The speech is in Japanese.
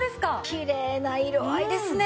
きれいな色合いですねえ。